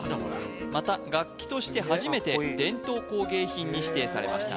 また楽器として初めて伝統工芸品に指定されました